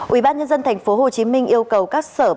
ủy ban nhân dân tp hcm yêu cầu các xã hội đồng hành